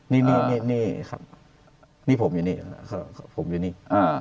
นี่ครับนี่ผมอยู่นี่